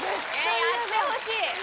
やってほしい。